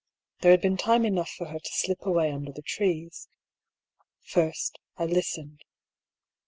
There had been time enough for her to slip away under the trees. First, I listened.